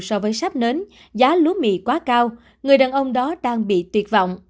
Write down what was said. so với sắp nến giá lúa mì quá cao người đàn ông đó đang bị tuyệt vọng